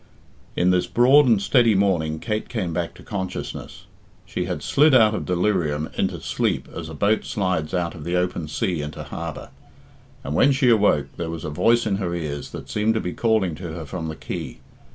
In this broad and steady morning Kate came back to consciousness. She had slid out of delirium into sleep as a boat slides out of the open sea into harbour, and when she awoke there was a voice in her ears that seemed to be calling to her from the quay.